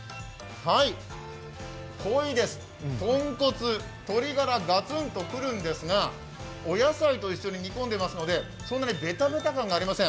濃いです、豚骨、鶏ガラ、がつんと来るんですが、お野菜と一緒に煮込んでいますので、そんなにベタベタ感がありません。